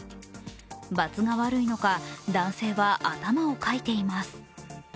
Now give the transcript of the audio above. ばつが悪いのか男性は頭をかいています。